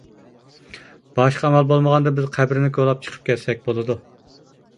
باشقا ئامال بولمىغاندا بىز قەبرىنى كولاپ چىقىپ كەتسەك بولىدۇ.